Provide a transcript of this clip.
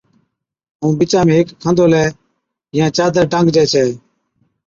ائُون بچا ۾ ھيڪ کنڌولي يان چادر ٽانڪجي ڇَي